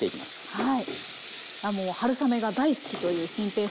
はい。